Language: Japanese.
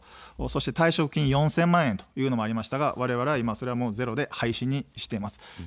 そして退職金４０００万円というのがありましたがわれわれはいま、ゼロで廃止にしています。